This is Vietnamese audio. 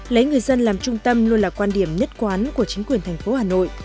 lấy người dân làm trung tâm luôn là quan điểm nhất quán của chính quyền thành phố hà nội